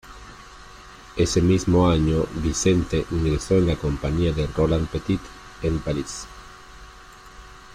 Ese mismo año Vicente ingresó en la compañía de Roland Petit, en París.